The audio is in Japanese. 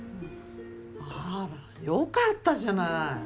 あらよかったじゃない。